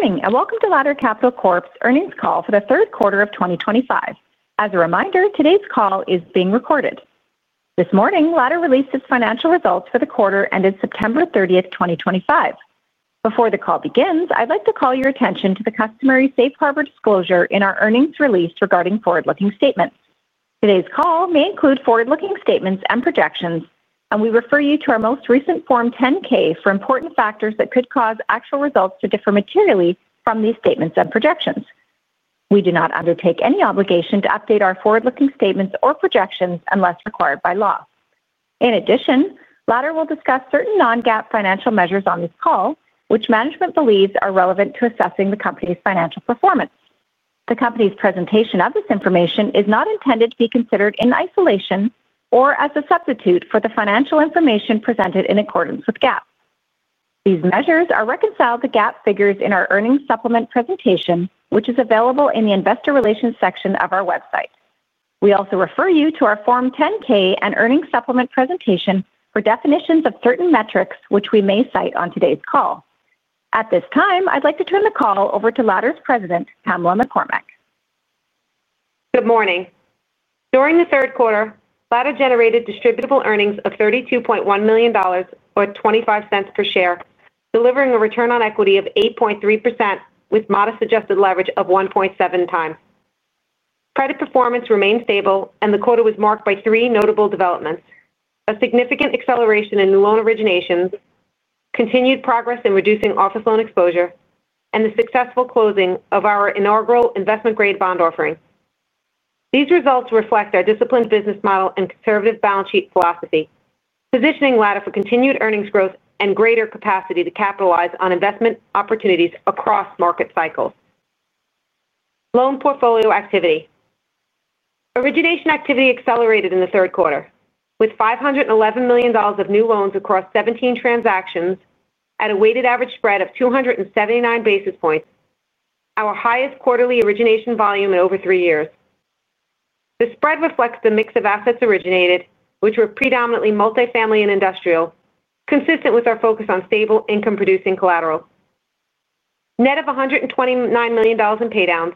Good morning and welcome to Ladder Capital Corp's earnings call for the third quarter of 2025. As a reminder, today's call is being recorded. This morning, Ladder released its financial results for the quarter ended September 30, 2025. Before the call begins, I'd like to call your attention to the customary safe harbor disclosure in our earnings release regarding forward-looking statements. Today's call may include forward-looking statements and projections, and we refer you to our most recent Form 10-K for important factors that could cause actual results to differ materially from these statements and projections. We do not undertake any obligation to update our forward-looking statements or projections unless required by law. In addition, Ladder will discuss certain non-GAAP financial measures on this call, which management believes are relevant to assessing the company's financial performance. The company's presentation of this information is not intended to be considered in isolation or as a substitute for the financial information presented in accordance with GAAP. These measures are reconciled to GAAP figures in our earnings supplement presentation, which is available in the investor relations section of our website. We also refer you to our Form 10-K and earnings supplement presentation for definitions of certain metrics, which we may cite on today's call. At this time, I'd like to turn the call over to Ladder's President, Pamela McCormack. Good morning. During the third quarter, Ladder generated distributable earnings of $32.1 million or $0.25 per share, delivering a return on equity of 8.3% with modest adjusted leverage of 1.7x. Credit performance remained stable, and the quarter was marked by three notable developments: a significant acceleration in loan originations, continued progress in reducing office loan exposure, and the successful closing of our inaugural investment-grade bond offering. These results reflect our disciplined business model and conservative balance sheet philosophy, positioning Ladder for continued earnings growth and greater capacity to capitalize on investment opportunities across market cycles. Loan portfolio activity. Origination activity accelerated in the third quarter, with $511 million of new loans across 17 transactions at a weighted average spread of 279 basis points, our highest quarterly origination volume in over three years. The spread reflects the mix of assets originated, which were predominantly multifamily and industrial, consistent with our focus on stable income-producing collateral. Net of $129 million in paydowns,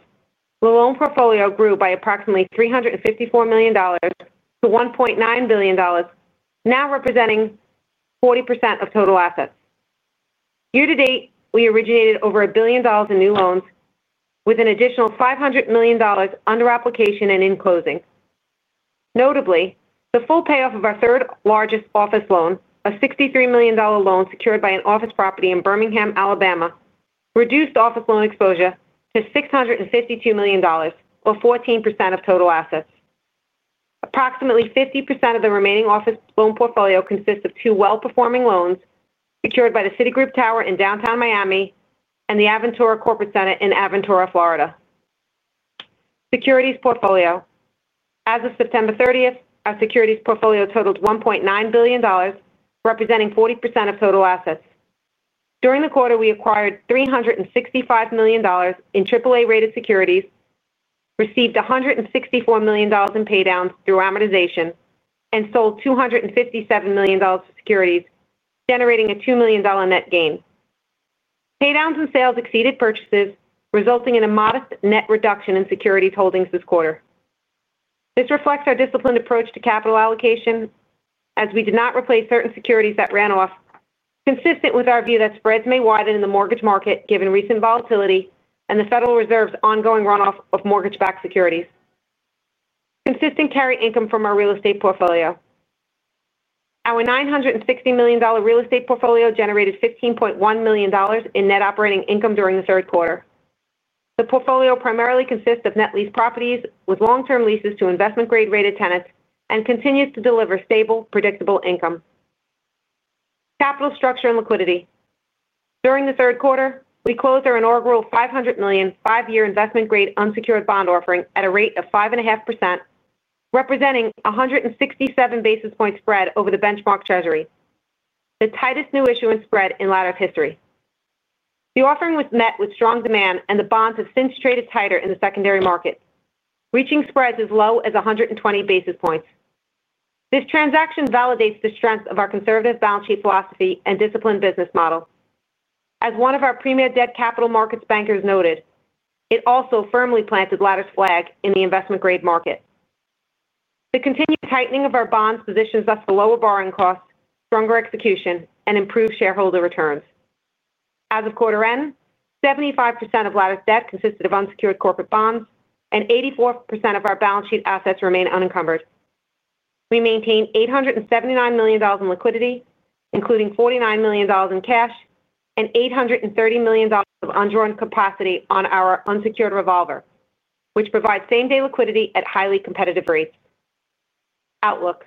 the loan portfolio grew by approximately $354 million to $1.9 billion, now representing 40% of total assets. Year to date, we originated over $1 billion in new loans, with an additional $500 million under application and in closing. Notably, the full payoff of our third largest office loan, a $63 million loan secured by an office property in Birmingham, Alabama, reduced office loan exposure to $652 million, or 14% of total assets. Approximately 50% of the remaining office loan portfolio consists of two well-performing loans secured by the Citigroup Tower in downtown Miami and the Aventura Corporate Center in Aventura, Florida. Securities portfolio. As of September 30, our securities portfolio totaled $1.9 billion, representing 40% of total assets. During the quarter, we acquired $365 million in AAA-rated securities, received $164 million in paydowns through amortization, and sold $257 million of securities, generating a $2 million net gain. Paydowns and sales exceeded purchases, resulting in a modest net reduction in securities holdings this quarter. This reflects our disciplined approach to capital allocation, as we did not replace certain securities that ran off, consistent with our view that spreads may widen in the mortgage market given recent volatility and the Federal Reserve's ongoing runoff of mortgage-backed securities. Consistent carry income from our real estate portfolio. Our $960 million real estate portfolio generated $15.1 million in net operating income during the third quarter. The portfolio primarily consists of net lease properties with long-term leases to investment-grade rated tenants and continues to deliver stable, predictable income. Capital structure and liquidity. During the third quarter, we closed our inaugural $500 million five-year investment-grade unsecured bond offering at a rate of 5.5%, representing a 167 basis point spread over the benchmark Treasury. This was the tightest new issuance spread in Ladder's history. The offering was met with strong demand, and the bonds have since traded tighter in the secondary market, reaching spreads as low as 120 basis points. This transaction validates the strength of our conservative balance sheet philosophy and disciplined business model. As one of our premier debt capital markets bankers noted, it also firmly planted Ladder's flag in the investment-grade market. The continued tightening of our bonds positions us to lower borrowing costs, stronger execution, and improved shareholder returns. As of quarter end, 75% of Ladder's debt consisted of unsecured corporate bonds, and 84% of our balance sheet assets remain unencumbered. We maintain $879 million in liquidity, including $49 million in cash and $830 million of undrawn capacity on our unsecured revolver, which provides same-day liquidity at highly competitive rates. Outlook.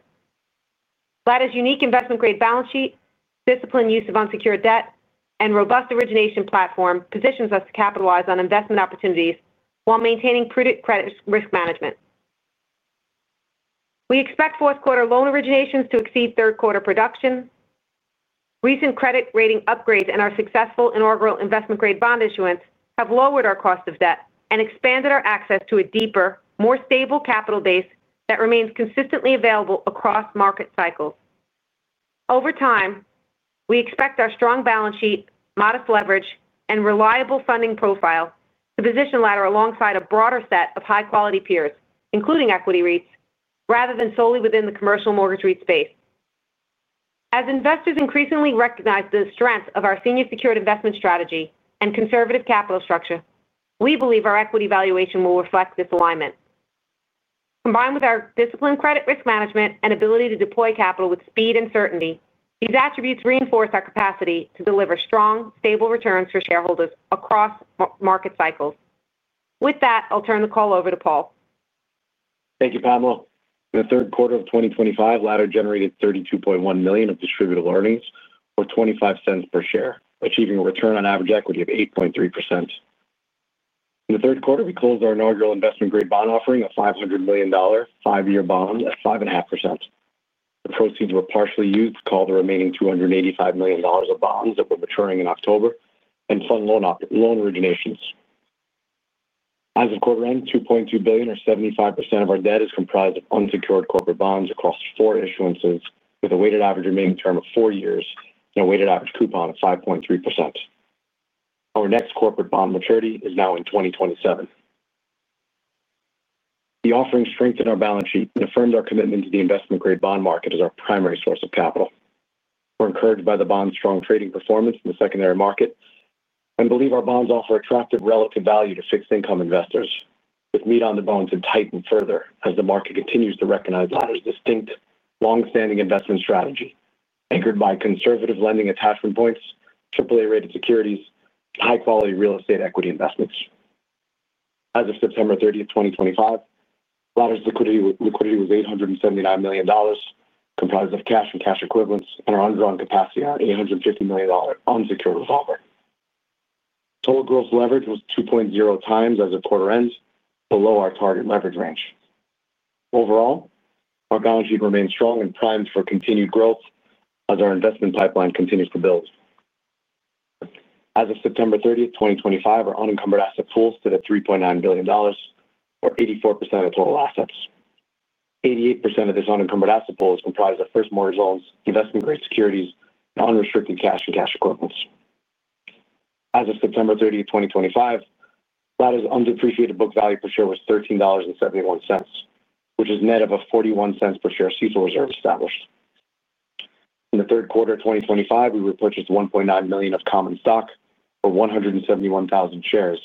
Ladder's unique investment-grade balance sheet, disciplined use of unsecured debt, and robust origination platform positions us to capitalize on investment opportunities while maintaining prudent credit risk management. We expect fourth quarter loan originations to exceed third quarter production. Recent credit rating upgrades and our successful inaugural investment-grade bond issuance have lowered our cost of debt and expanded our access to a deeper, more stable capital base that remains consistently available across market cycles. Over time, we expect our strong balance sheet, modest leverage, and reliable funding profile to position Ladder alongside a broader set of high-quality peers, including equity REITs, rather than solely within the commercial mortgage REIT space. As investors increasingly recognize the strength of our senior secured investment strategy and conservative capital structure, we believe our equity valuation will reflect this alignment. Combined with our disciplined credit risk management and ability to deploy capital with speed and certainty, these attributes reinforce our capacity to deliver strong, stable returns for shareholders across market cycles. With that, I'll turn the call over to Paul. Thank you, Pamela. In the third quarter of 2025, Ladder generated $32.1 million of distributable earnings, or $0.25 per share, achieving a return on average equity of 8.3%. In the third quarter, we closed our inaugural investment-grade bond offering of $500 million five-year bonds at 5.5%. The proceeds were partially used to call the remaining $285 million of bonds that were maturing in October and fund loan originations. As of quarter end, $2.2 billion, or 75% of our debt, is comprised of unsecured corporate bonds across four issuances, with a weighted average remaining term of four years and a weighted average coupon of 5.3%. Our next corporate bond maturity is now in 2027. The offering strengthened our balance sheet and affirmed our commitment to the investment-grade bond market as our primary source of capital. We are encouraged by the bond's strong trading performance in the secondary market and believe our bonds offer attractive relative value to fixed-income investors, with meat on the bones and tightened further as the market continues to recognize Ladder's distinct longstanding investment strategy, anchored by conservative lending attachment points, AAA-rated securities, and high-quality real estate equity investments. As of September 30, 2025, Ladder's liquidity was $879 million, comprised of cash and cash equivalents, and our undrawn capacity on our $850 million unsecured revolver. Total gross leverage was 2.0x as of quarter end, below our target leverage range. Overall, our balance sheet remains strong and primes for continued growth as our investment pipeline continues to build. As of September 30, 2025, our unencumbered asset pool stood at $3.9 billion, or 84% of total assets. 88% of this unencumbered asset pool is comprised of first mortgage loans, investment-grade securities, and unrestricted cash and cash equivalents. As of September 30, 2025, Ladder's undepreciated book value per share was $13.71, which is net of a $0.41 per share CFO reserve established. In the third quarter of 2025, we repurchased $1.9 million of common stock, or 171,000 shares,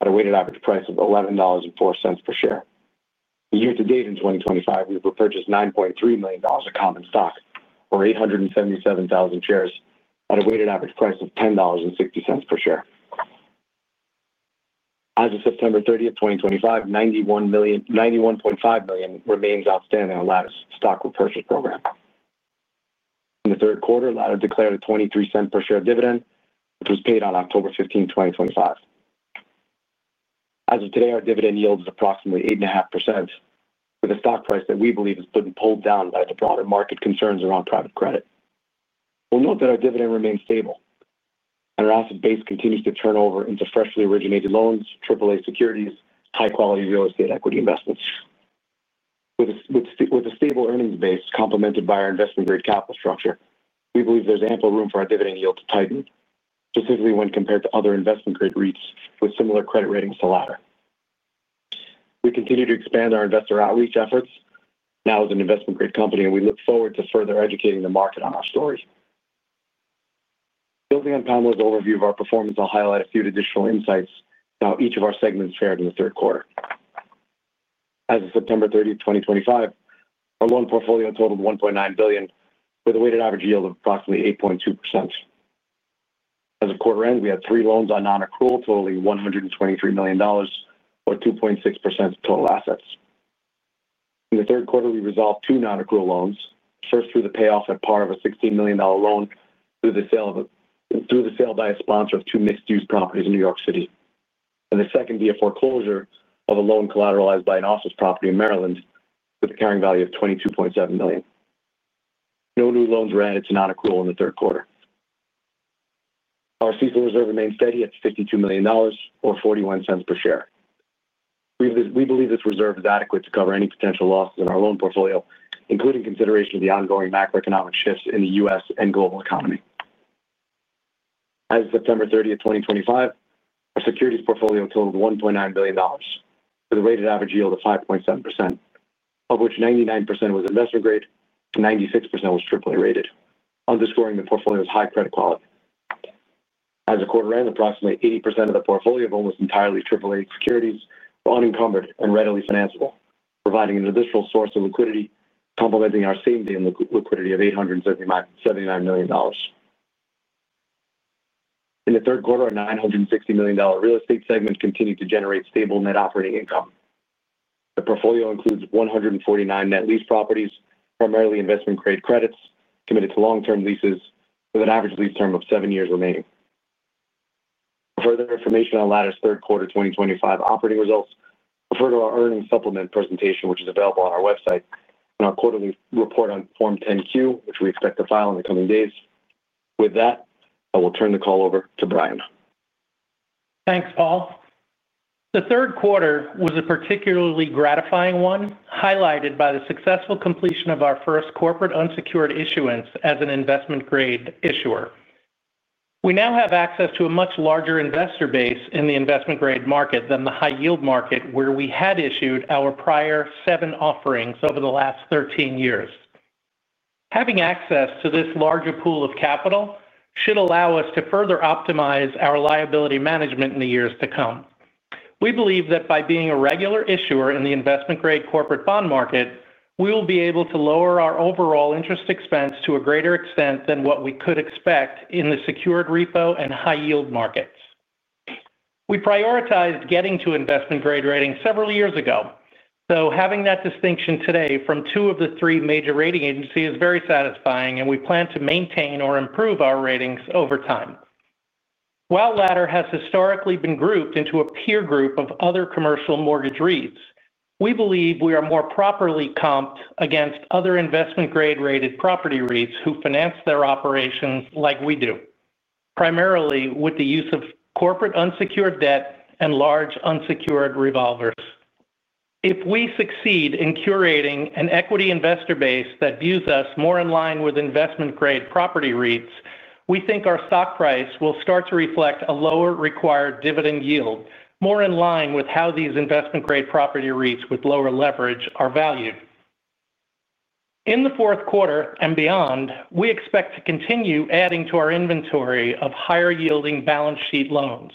at a weighted average price of $11.04 per share. Year to date in 2025, we've repurchased $9.3 million of common stock, or 877,000 shares, at a weighted average price of $10.60 per share. As of September 30, 2025, $91.5 million remains outstanding on Ladder's stock repurchase program. In the third quarter, Ladder declared a $0.23 per share dividend, which was paid on October 15th, 2025. As of today, our dividend yield is approximately 8.5%, with a stock price that we believe has been pulled down by the broader market concerns around private credit. We'll note that our dividend remains stable, and our asset base continues to turn over into freshly originated loans, AAA securities, and high-quality real estate equity investments. With a stable earnings base complemented by our investment-grade capital structure, we believe there's ample room for our dividend yield to tighten, specifically when compared to other investment-grade REITs with similar credit ratings to Ladder. We continue to expand our investor outreach efforts now as an investment-grade company, and we look forward to further educating the market on our story. Building on Pamela's overview of our performance, I'll highlight a few additional insights to how each of our segments fared in the third quarter. As of September 30th, 2025, our loan portfolio totaled $1.9 billion, with a weighted average yield of approximately 8.2%. As of quarter end, we had three loans on non-accrual, totaling $123 million, or 2.6% of total assets. In the third quarter, we resolved two non-accrual loans, first through the payoff at par of a $16 million loan through the sale by a sponsor of two mixed-use properties in New York City, and the second via foreclosure of a loan collateralized by an office property in Maryland with a carrying value of $22.7 million. No new loans were added to non-accrual in the third quarter. Our CFO reserve remains steady at $52 million, or $0.41 per share. We believe this reserve is adequate to cover any potential losses in our loan portfolio, including consideration of the ongoing macroeconomic shifts in the U.S. and global economy. As of September 30th, 2025, our securities portfolio totaled $1.9 billion, with a weighted average yield of 5.7%, of which 99% was investment-grade and 96% was AAA-rated, underscoring the portfolio's high credit quality. As of quarter end, approximately 80% of the portfolio was almost entirely AAA securities, unencumbered and readily financeable, providing an additional source of liquidity complementing our same-day liquidity of $879 million. In the third quarter, our $960 million real estate segment continued to generate stable net operating income. The portfolio includes 149 net lease properties, primarily investment-grade credits committed to long-term leases, with an average lease term of seven years remaining. For further information on Ladder's third quarter 2025 operating results, refer to our earnings supplement presentation, which is available on our website, and our quarterly report on Form 10-Q, which we expect to file in the coming days. With that, I will turn the call over to Brian. Thanks, Paul. The third quarter was a particularly gratifying one, highlighted by the successful completion of our first corporate unsecured issuance as an investment-grade issuer. We now have access to a much larger investor base in the investment-grade market than the high-yield market where we had issued our prior seven offerings over the last 13 years. Having access to this larger pool of capital should allow us to further optimize our liability management in the years to come. We believe that by being a regular issuer in the investment-grade corporate bond market, we will be able to lower our overall interest expense to a greater extent than what we could expect in the secured repo and high-yield markets. We prioritized getting to investment-grade ratings several years ago, so having that distinction today from two of the three major rating agencies is very satisfying, and we plan to maintain or improve our ratings over time. While Ladder has historically been grouped into a peer group of other commercial mortgage REITs, we believe we are more properly comped against other investment-grade rated property REITs who finance their operations like we do, primarily with the use of corporate unsecured debt and large unsecured revolvers. If we succeed in curating an equity investor base that views us more in line with investment-grade property REITs, we think our stock price will start to reflect a lower required dividend yield, more in line with how these investment-grade property REITs with lower leverage are valued. In the fourth quarter and beyond, we expect to continue adding to our inventory of higher yielding balance sheet loans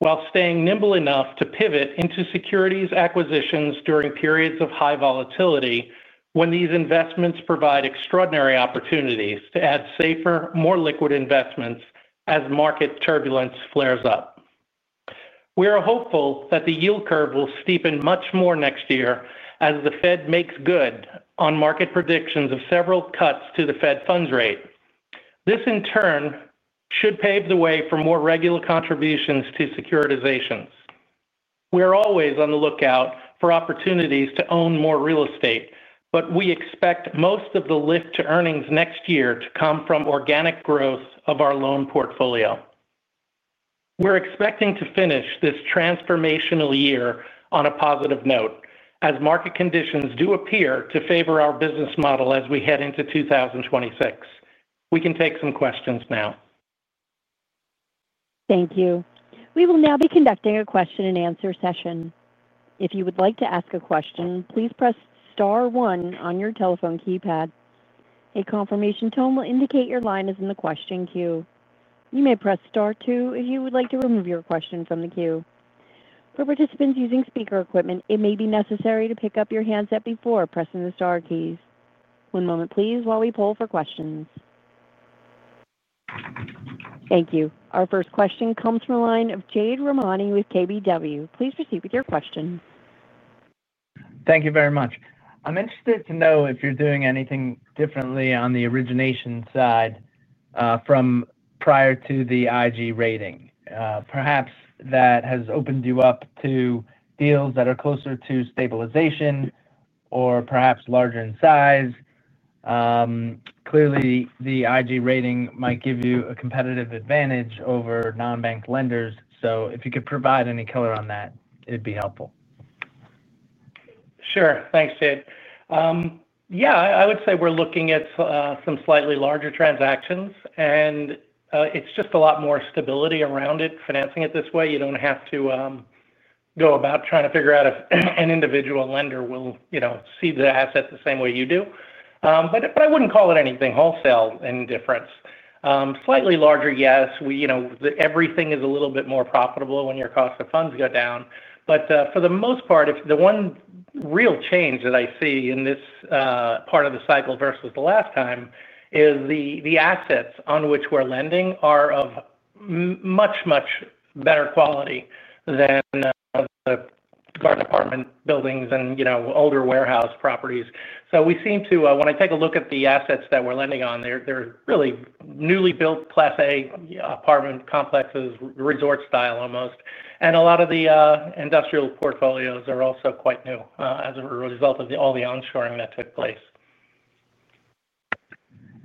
while staying nimble enough to pivot into securities acquisitions during periods of high volatility, when these investments provide extraordinary opportunities to add safer, more liquid investments as market turbulence flares up. We are hopeful that the yield curve will steepen much more next year as the Fed makes good on market predictions of several cuts to the Fed funds rate. This, in turn, should pave the way for more regular contributions to securitizations. We are always on the lookout for opportunities to own more real estate, but we expect most of the lift to earnings next year to come from organic growth of our loan portfolio. We're expecting to finish this transformational year on a positive note, as market conditions do appear to favor our business model as we head into 2026. We can take some questions now. Thank you. We will now be conducting a question and answer session. If you would like to ask a question, please press star one on your telephone keypad. A confirmation tone will indicate your line is in the question queue. You may press star two if you would like to remove your question from the queue. For participants using speaker equipment, it may be necessary to pick up your handset before pressing the star keys. One moment, please, while we pull for questions. Thank you. Our first question comes from a line of Jade Rahmani with KBW. Please proceed with your question. Thank you very much. I'm interested to know if you're doing anything differently on the origination side from prior to the investment-grade rating. Perhaps that has opened you up to deals that are closer to stabilization or perhaps larger in size. Clearly, the investment-grade rating might give you a competitive advantage over non-bank lenders. If you could provide any color on that, it'd be helpful. Sure. Thanks, Jade. I would say we're looking at some slightly larger transactions, and it's just a lot more stability around it, financing it this way. You don't have to go about trying to figure out if an individual lender will see the asset the same way you do. I wouldn't call it anything wholesale in difference. Slightly larger, yes. Everything is a little bit more profitable when your cost of funds go down. For the most part, if the one real change that I see in this part of the cycle versus the last time is the assets on which we're lending are of much, much better quality than the garden apartment buildings and older warehouse properties. We seem to, when I take a look at the assets that we're lending on, they're really newly built class A apartment complexes, resort style almost. A lot of the industrial portfolios are also quite new, as a result of all the onshoring that took place.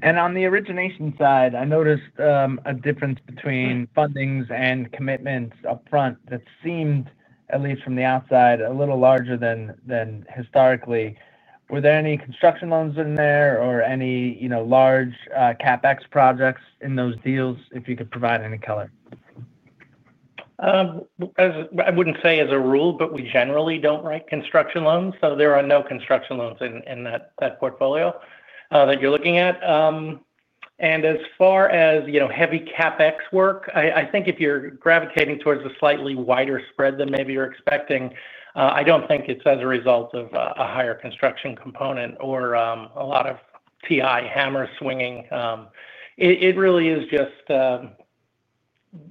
On the origination side, I noticed a difference between fundings and commitments upfront that seemed, at least from the outside, a little larger than historically. Were there any construction loans in there or any large CapEx projects in those deals? If you could provide any color. I wouldn't say as a rule, but we generally don't write construction loans. There are no construction loans in that portfolio that you're looking at. As far as heavy CapEx work, if you're gravitating towards a slightly wider spread than maybe you're expecting, I don't think it's as a result of a higher construction component or a lot of TI hammer swinging. It really is just,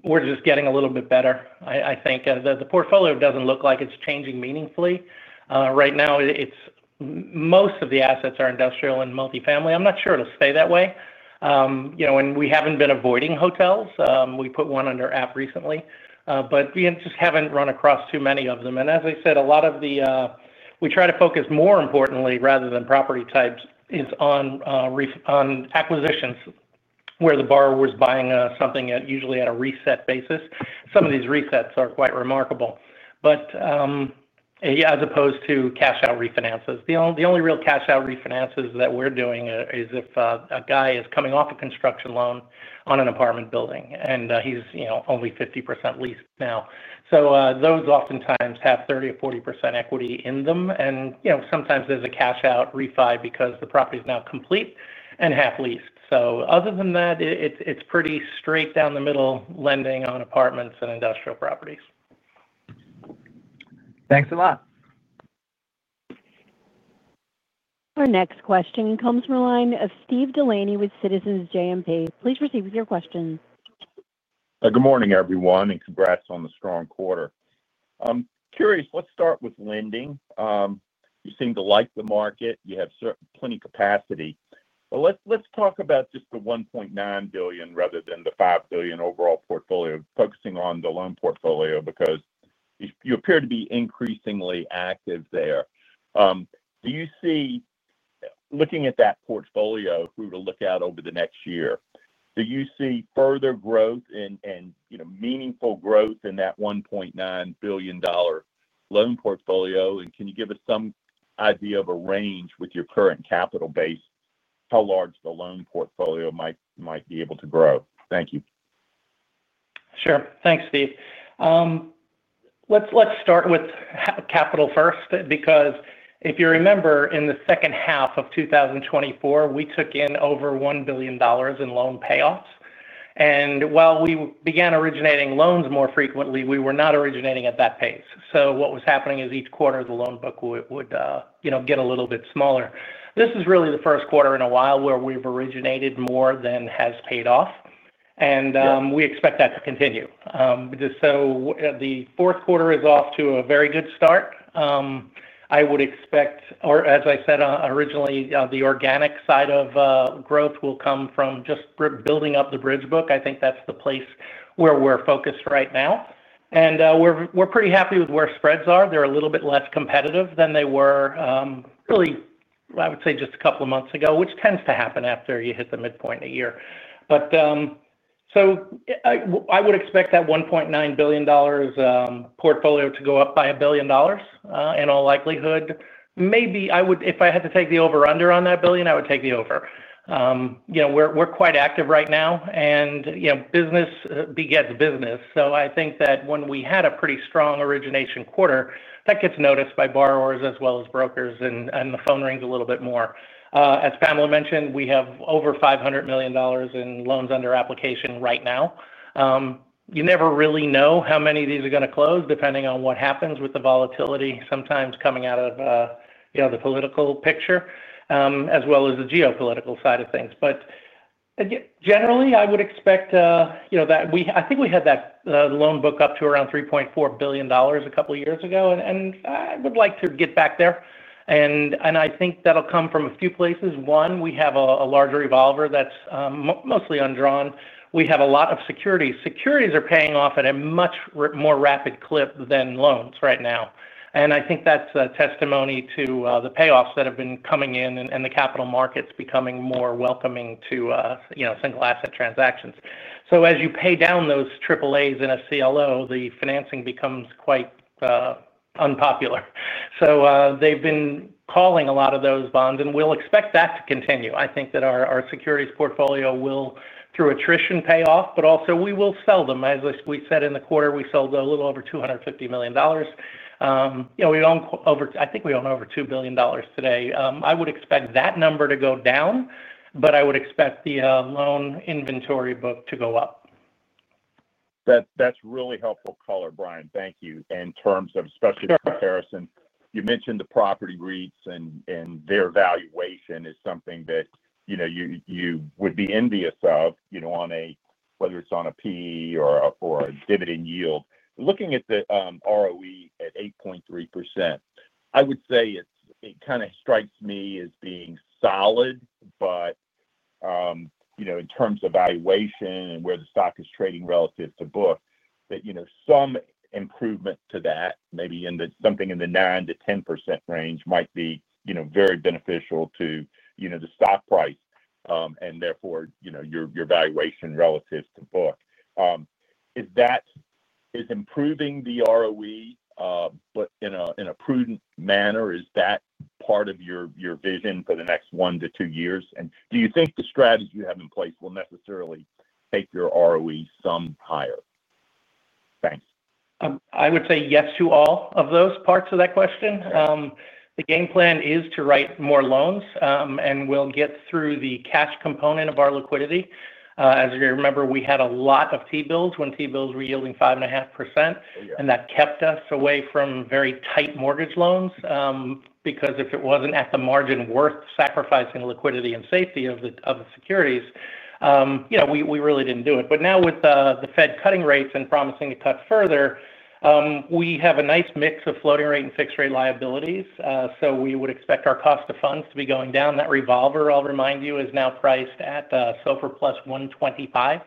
we're just getting a little bit better, I think. The portfolio doesn't look like it's changing meaningfully. Right now, most of the assets are industrial and multifamily. I'm not sure it'll stay that way. We haven't been avoiding hotels. We put one under AF recently, but we just haven't run across too many of them. As I said, we try to focus more importantly, rather than property types, on acquisitions where the borrower is buying something usually at a reset basis. Some of these resets are quite remarkable. As opposed to cash-out refinances, the only real cash-out refinances that we're doing is if a guy is coming off a construction loan on an apartment building and he's only 50% leased now. Those oftentimes have 30% or 40% equity in them. Sometimes there's a cash-out refi because the property is now complete and half leased. Other than that, it's pretty straight down the middle lending on apartments and industrial properties. Thanks a lot. Our next question comes from a line of Steve Delaney with Citizens JMP. Please proceed with your question. Good morning, everyone, and congrats on the strong quarter. I'm curious, let's start with lending. You seem to like the market. You have plenty of capacity. Let's talk about just the $1.9 billion rather than the $5 billion overall portfolio, focusing on the loan portfolio because you appear to be increasingly active there. Do you see, looking at that portfolio, who to look at over the next year? Do you see further growth and, you know, meaningful growth in that $1.9 billion loan portfolio? Can you give us some idea of a range with your current capital base, how large the loan portfolio might be able to grow? Thank you. Sure. Thanks, Steve. Let's start with capital first because if you remember, in the second half of 2024, we took in over $1 billion in loan payoffs. While we began originating loans more frequently, we were not originating at that pace. What was happening is each quarter, the loan book would get a little bit smaller. This is really the first quarter in a while where we've originated more than has paid off. We expect that to continue. The fourth quarter is off to a very good start. I would expect, or as I said originally, the organic side of growth will come from just building up the bridge book. I think that's the place where we're focused right now. We're pretty happy with where spreads are. They're a little bit less competitive than they were, really, I would say just a couple of months ago, which tends to happen after you hit the midpoint of the year. I would expect that $1.9 billion portfolio to go up by a billion dollars in all likelihood. Maybe I would, if I had to take the over-under on that billion, I would take the over. We're quite active right now, and business begets business. I think that when we had a pretty strong origination quarter, that gets noticed by borrowers as well as brokers, and the phone rings a little bit more. As Pamela mentioned, we have over $500 million in loans under application right now. You never really know how many of these are going to close depending on what happens with the volatility sometimes coming out of the political picture, as well as the geopolitical side of things. Generally, I would expect that we, I think we had that loan book up to around $3.4 billion a couple of years ago, and I would like to get back there. I think that'll come from a few places. One, we have a larger revolver that's mostly undrawn. We have a lot of securities. Securities are paying off at a much more rapid clip than loans right now. I think that's a testimony to the payoffs that have been coming in and the capital markets becoming more welcoming to single asset transactions. As you pay down those AAA-rated in a CLO, the financing becomes quite unpopular. They've been calling a lot of those bonds, and we'll expect that to continue. I think that our securities portfolio will, through attrition, pay off, but also we will sell them. As we said in the quarter, we sold a little over $250 million. We own over, I think we own over $2 billion today. I would expect that number to go down, but I would expect the loan inventory book to go up. That's really helpful color, Brian. Thank you. In terms of, especially the comparison, you mentioned the property REITs and their valuation is something that, you know, you would be envious of, you know, whether it's on a PE or a dividend yield. Looking at the ROE at 8.3%, I would say it kind of strikes me as being solid, but, you know, in terms of valuation and where the stock is trading relative to book, that, you know, some improvement to that, maybe in the 9%-10% range might be, you know, very beneficial to, you know, the stock price, and therefore, you know, your valuation relative to book. Is improving the ROE, but in a prudent manner, part of your vision for the next one to two years? Do you think the strategy you have in place will necessarily take your ROE some higher? Thanks. I would say yes to all of those parts of that question. The game plan is to write more loans, and we'll get through the cash component of our liquidity. As you remember, we had a lot of T-bills when T-bills were yielding 5.5%, and that kept us away from very tight mortgage loans, because if it wasn't at the margin worth sacrificing liquidity and safety of the securities, we really didn't do it. Now with the Fed cutting rates and promising to cut further, we have a nice mix of floating rate and fixed rate liabilities. We would expect our cost of funds to be going down. That revolver, I'll remind you, is now priced at SOFR plus 125.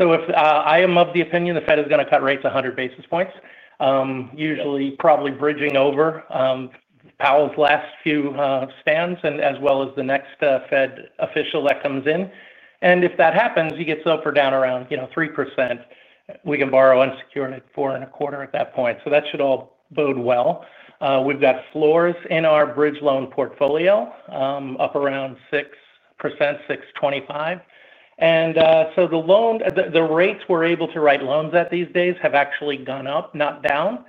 If I am of the opinion the Fed is going to cut rates 100 basis points, usually probably bridging over Powell's last few stands as well as the next Fed official that comes in. If that happens, you get SOFR down around 3%. We can borrow unsecured at 4.25% at that point. That should all bode well. We've got floors in our bridge loan portfolio, up around 6%, 6.25%. The rates we're able to write loans at these days have actually gone up, not down,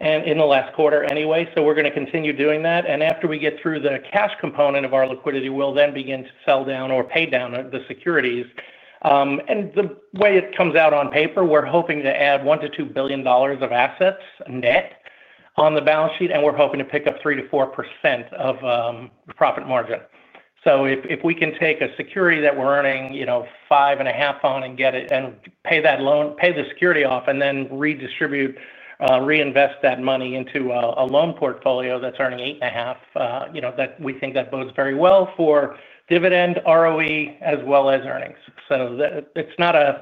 in the last quarter anyway. We're going to continue doing that. After we get through the cash component of our liquidity, we'll then begin to sell down or pay down the securities. The way it comes out on paper, we're hoping to add $1 billion to $2 billion of assets net on the balance sheet, and we're hoping to pick up 3%-4% of profit margin. If we can take a security that we're earning 5.5% on and pay that security off, and then redistribute, reinvest that money into a loan portfolio that's earning 8.5%, we think that bodes very well for dividend, ROE, as well as earnings. It's not a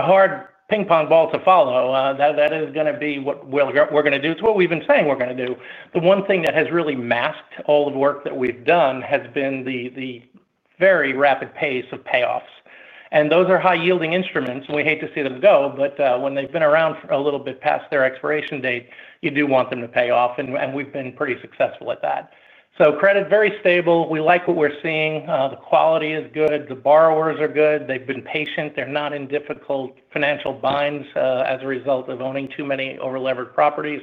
hard ping-pong ball to follow. That is going to be what we're going to do. It's what we've been saying we're going to do. The one thing that has really masked all the work that we've done has been the very rapid pace of payoffs. Those are high-yielding instruments, and we hate to see them go, but when they've been around for a little bit past their expiration date, you do want them to pay off, and we've been pretty successful at that. Credit is very stable. We like what we're seeing. The quality is good. The borrowers are good. They've been patient. They're not in difficult financial binds as a result of owning too many over-levered properties.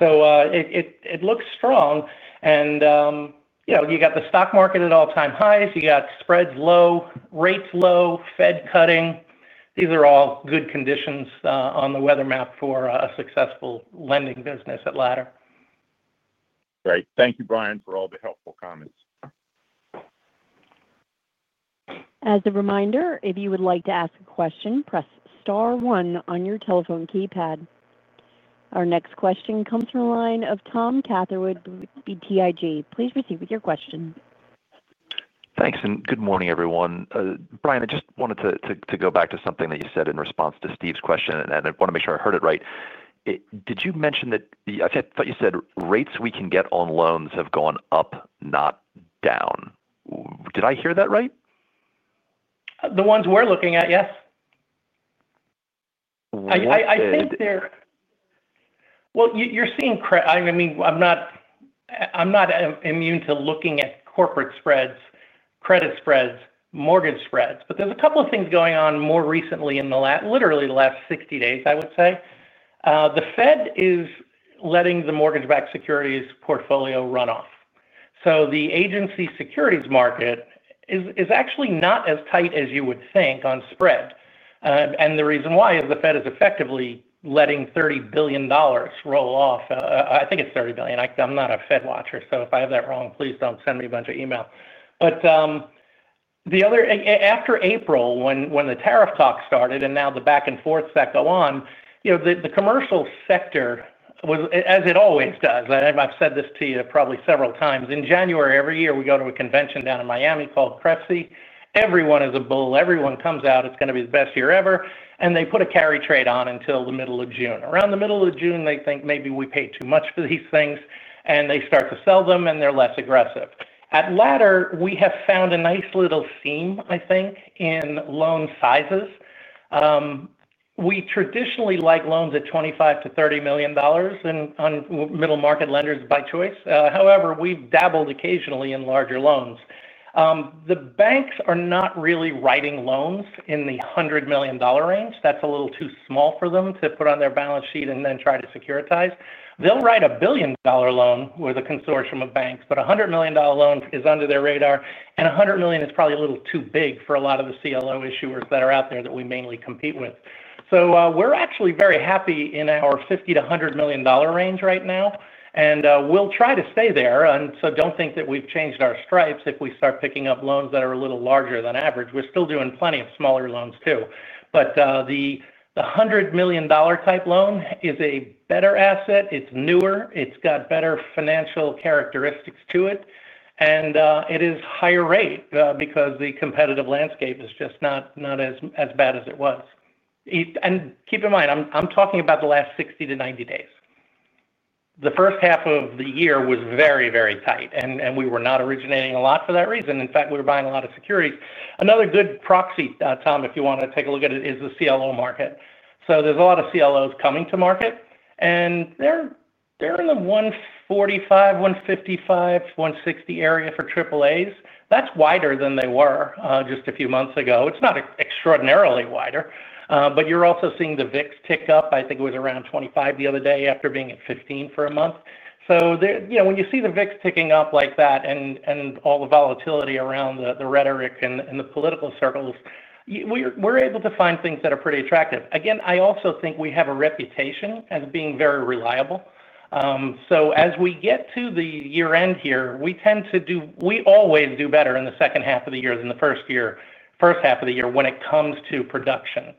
It looks strong. You know, you got the stock market at all-time highs, spreads low, rates low, Fed cutting. These are all good conditions on the weather map for a successful lending business at Ladder. Great. Thank you, Brian, for all the helpful comments. As a reminder, if you would like to ask a question, press star one on your telephone keypad. Our next question comes from the line of Tom Catherwood, BTIG. Please proceed with your question. Thanks, and good morning, everyone. Brian, I just wanted to go back to something that you said in response to Steve's question, and I want to make sure I heard it right. Did you mention that I thought you said rates we can get on loans have gone up, not down. Did I hear that right? The ones we're looking at, yes. I think they're... You are seeing credit. I mean, I'm not immune to looking at corporate spreads, credit spreads, mortgage spreads, but there's a couple of things going on more recently in the last, literally the last 60 days, I would say. The Fed is letting the mortgage-backed securities portfolio run off. The agency securities market is actually not as tight as you would think on spread, and the reason why is the Fed is effectively letting $30 billion roll off. I think it's $30 billion. I'm not a Fed watcher, so if I have that wrong, please don't send me a bunch of emails. After April, when the tariff talks started and now the back and forths that go on, you know, the commercial sector was, as it always does, and I've said this to you probably several times, in January, every year we go to a convention down in Miami called Crepsi. Everyone is a bull. Everyone comes out. It's going to be the best year ever. They put a carry trade on until the middle of June. Around the middle of June, they think maybe we pay too much for these things, and they start to sell them, and they're less aggressive. At Ladder, we have found a nice little seam, I think, in loan sizes. We traditionally like loans at $25 million-$30 million and on middle-market lenders by choice. However, we've dabbled occasionally in larger loans. The banks are not really writing loans in the $100 million range. That's a little too small for them to put on their balance sheet and then try to securitize. They'll write a billion-dollar loan with a consortium of banks, but a $100 million loan is under their radar, and $100 million is probably a little too big for a lot of the CLO issuers that are out there that we mainly compete with. We are actually very happy in our $50 million-$100 million range right now, and we'll try to stay there. Do not think that we've changed our stripes if we start picking up loans that are a little larger than average. We're still doing plenty of smaller loans too. The $100 million type loan is a better asset. It's newer. It's got better financial characteristics to it. It is higher rate because the competitive landscape is just not as bad as it was. Keep in mind, I'm talking about the last 60 to 90 days. The first half of the year was very, very tight, and we were not originating a lot for that reason. In fact, we were buying a lot of securities. Another good proxy, Tom, if you want to take a look at it, is the CLO market. There are a lot of CLOs coming to market, and they're in the 145, 155, 160 area for AAA-rated. That's wider than they were just a few months ago. It's not extraordinarily wider, but you're also seeing the VIX tick up. I think it was around 25 the other day after being at 15 for a month. When you see the VIX ticking up like that and all the volatility around the rhetoric and the political circles, we're able to find things that are pretty attractive. I also think we have a reputation as being very reliable. As we get to the year-end here, we tend to do better in the second half of the year than the first half of the year when it comes to production.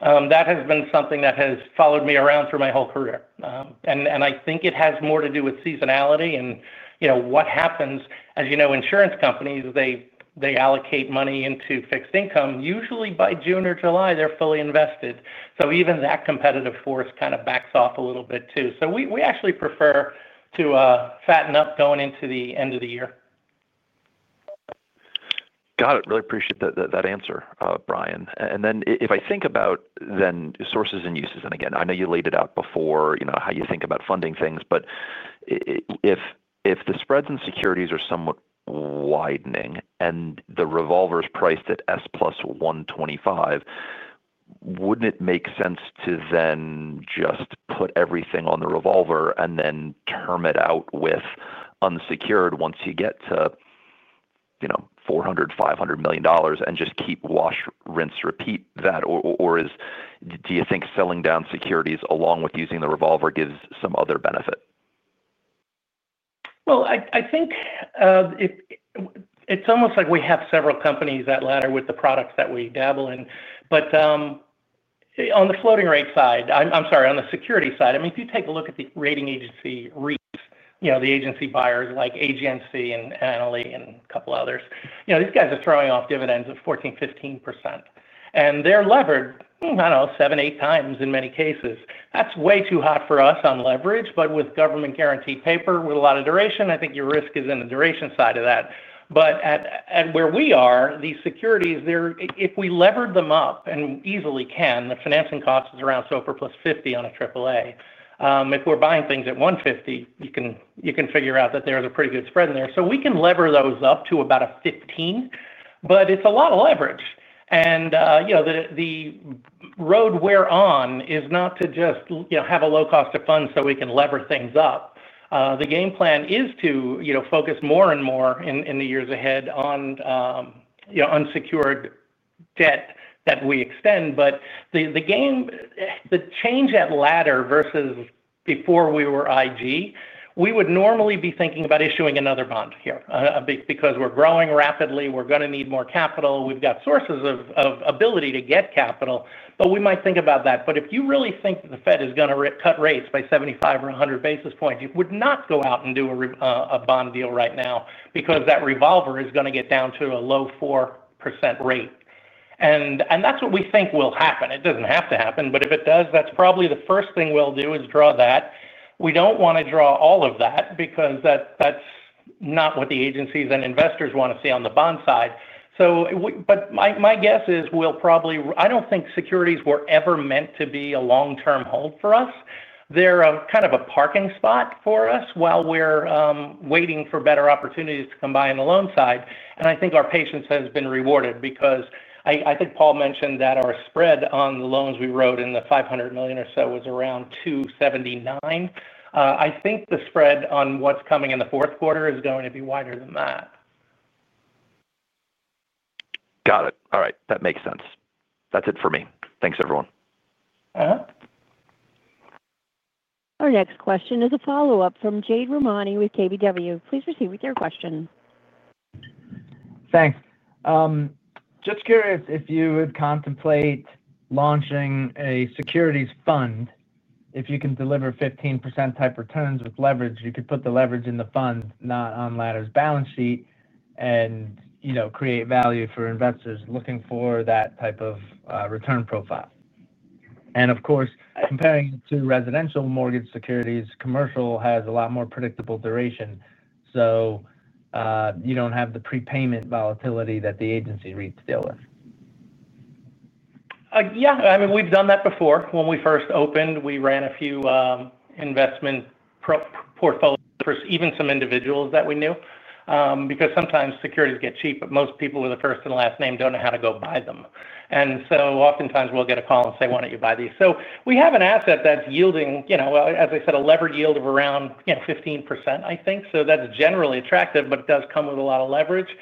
That has been something that has followed me around through my whole career. I think it has more to do with seasonality and what happens. As you know, insurance companies allocate money into fixed income. Usually, by June or July, they're fully invested. Even that competitive force kind of backs off a little bit too. We actually prefer to fatten up going into the end of the year. Got it. Really appreciate that answer, Brian. If I think about sources and uses, and again, I know you laid it out before, you know, how you think about funding things, if the spreads in securities are somewhat widening and the revolver is priced at S plus 125, wouldn't it make sense to just put everything on the revolver and then term it out with unsecured once you get to $400 million, $500 million and just keep wash, rinse, repeat that? Do you think selling down securities along with using the revolver gives some other benefit? I think it's almost like we have several companies at Ladder with the products that we dabble in. On the floating rate side, on the security side, if you take a look at the rating agency REITs, the agency buyers like Agenci and Analy and a couple of others, these guys are throwing off dividends of 14%, 15%. They're levered, I don't know, seven, eight times in many cases. That's way too hot for us on leverage, but with government-guaranteed paper, with a lot of duration, I think your risk is in the duration side of that. At where we are, these securities, if we levered them up and easily can, the financing cost is around SOFR plus 50 on a AAA. If we're buying things at 150, you can figure out that there's a pretty good spread in there. We can lever those up to about a 15%, but it's a lot of leverage. The road we're on is not to just have a low cost of funds so we can lever things up. The game plan is to focus more and more in the years ahead on unsecured debt that we extend. The change at Ladder versus before we were investment-grade, we would normally be thinking about issuing another bond here because we're growing rapidly. We're going to need more capital. We've got sources of ability to get capital, but we might think about that. If you really think that the Fed is going to cut rates by 75 basis points or 100 basis points, it would not go out and do a bond deal right now because that revolver is going to get down to a low 4% rate. That's what we think will happen. It doesn't have to happen, but if it does, that's probably the first thing we'll do is draw that. We don't want to draw all of that because that's not what the agencies and investors want to see on the bond side. My guess is we'll probably, I don't think securities were ever meant to be a long-term hold for us. They're kind of a parking spot for us while we're waiting for better opportunities to combine the loan side. I think our patience has been rewarded because I think Paul mentioned that our spread on the loans we wrote in the $500 million or so was around 279. I think the spread on what's coming in the fourth quarter is going to be wider than that. Got it. All right. That makes sense. That's it for me. Thanks, everyone. Our next question is a follow-up from Jade Rahmani with KBW. Please proceed with your question. Thanks. Just curious if you would contemplate launching a securities fund. If you can deliver 15% type returns with leverage, you could put the leverage in the fund, not on Ladder's balance sheet, and create value for investors looking for that type of return profile. Of course, comparing to residential mortgage securities, commercial has a lot more predictable duration. You don't have the prepayment volatility that the agency REITs deal with. Yeah. I mean, we've done that before. When we first opened, we ran a few investment portfolios, even some individuals that we knew, because sometimes securities get cheap, but most people with a first and last name don't know how to go buy them. Oftentimes we'll get a call and say, "Why don't you buy these?" We have an asset that's yielding, you know, as I said, a levered yield of around 15%, I think. That's generally attractive, but it does come with a lot of leverage.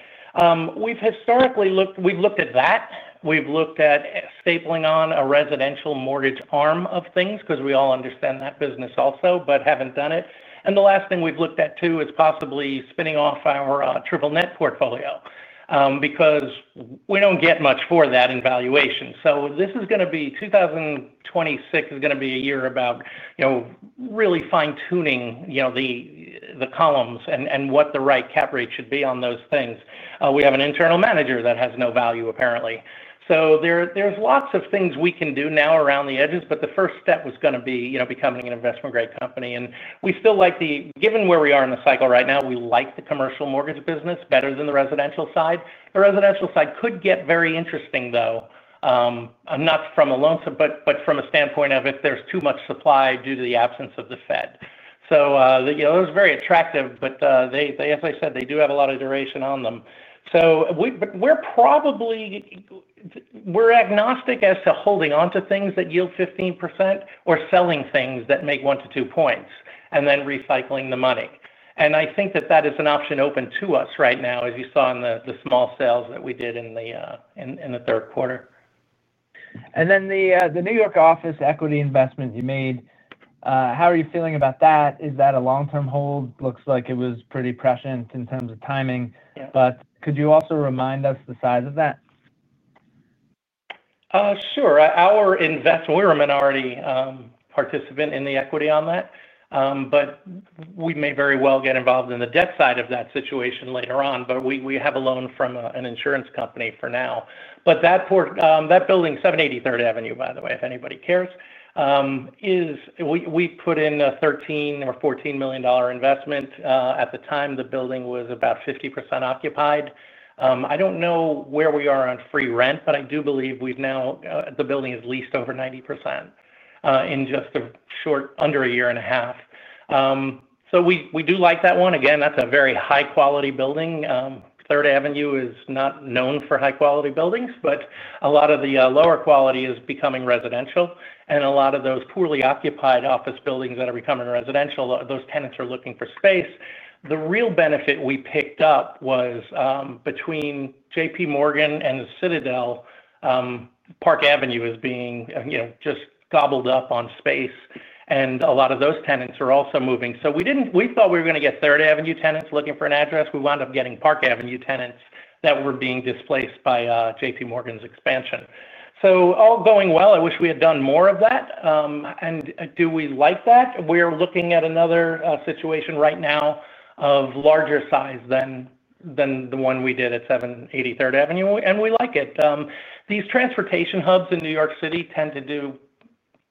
We've historically looked, we've looked at that. We've looked at stapling on a residential mortgage arm of things because we all understand that business also, but haven't done it. The last thing we've looked at too is possibly spinning off our triple net portfolio because we don't get much for that in valuation. 2026 is going to be a year about, you know, really fine-tuning the columns and what the right cap rate should be on those things. We have an internal manager that has no value, apparently. There are lots of things we can do now around the edges, but the first step was going to be becoming an investment-grade company. We still like the, given where we are in the cycle right now, we like the commercial mortgage business better than the residential side. The residential side could get very interesting, though, not from a loan side, but from a standpoint of if there's too much supply due to the absence of the Fed. Those are very attractive, but they, as I said, do have a lot of duration on them. We're probably, we're agnostic as to holding onto things that yield 15% or selling things that make one to two points and then recycling the money. I think that is an option open to us right now, as you saw in the small sales that we did in the third quarter. The New York office equity investment you made, how are you feeling about that? Is that a long-term hold? It looks like it was pretty prescient in terms of timing, but could you also remind us the size of that? Sure. Our investment, we were a minority participant in the equity on that, but we may very well get involved in the debt side of that situation later on. We have a loan from an insurance company for now. That building, 783 Third Avenue, by the way, if anybody cares, we put in a $13 million or $14 million investment. At the time, the building was about 50% occupied. I don't know where we are on free rent, but I do believe we've now, the building has leased over 90% in just a short, under a year and a half. We do like that one. That's a very high-quality building. Third Avenue is not known for high-quality buildings, but a lot of the lower quality is becoming residential. A lot of those poorly occupied office buildings that are becoming residential, those tenants are looking for space. The real benefit we picked up was between JPMorgan and Citadel, Park Avenue is being, you know, just gobbled up on space. A lot of those tenants are also moving. We thought we were going to get Third Avenue tenants looking for an address. We wound up getting Park Avenue tenants that were being displaced by JP Morgan's expansion. All going well. I wish we had done more of that. Do we like that? We're looking at another situation right now of larger size than the one we did at 783 Third Avenue. We like it. These transportation hubs in New York City tend to do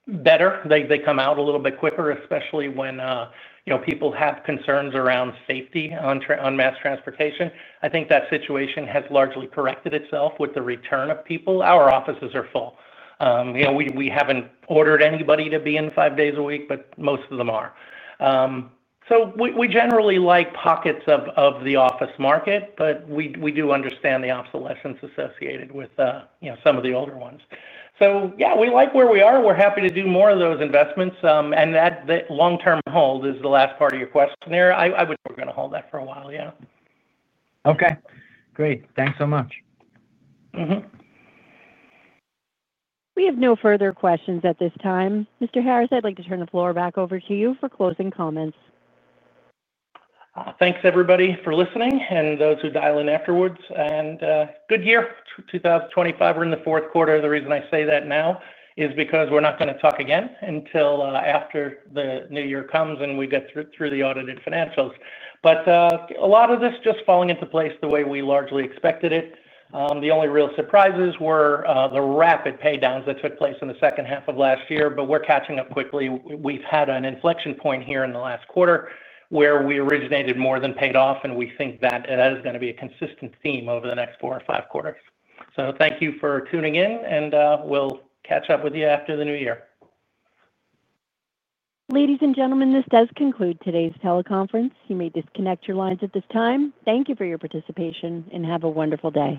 better. They come out a little bit quicker, especially when, you know, people have concerns around safety on mass transportation. I think that situation has largely corrected itself with the return of people. Our offices are full. We haven't ordered anybody to be in five days a week, but most of them are. We generally like pockets of the office market, but we do understand the obsolescence associated with, you know, some of the older ones. We like where we are. We're happy to do more of those investments. That long-term hold is the last part of your questionnaire. I would say we're going to hold that for a while. Yeah. Okay. Great. Thanks so much. We have no further questions at this time. Mr. Harris, I'd like to turn the floor back over to you for closing comments. Thanks, everybody, for listening and those who dial in afterwards. Good year. 2025, we're in the fourth quarter. The reason I say that now is because we're not going to talk again until after the new year comes and we get through the audited financials. A lot of this is just falling into place the way we largely expected it. The only real surprises were the rapid paydowns that took place in the second half of last year, but we're catching up quickly. We've had an inflection point here in the last quarter where we originated more than paid off, and we think that is going to be a consistent theme over the next four or five quarters. Thank you for tuning in, and we'll catch up with you after the new year. Ladies and gentlemen, this does conclude today's teleconference. You may disconnect your lines at this time. Thank you for your participation and have a wonderful day.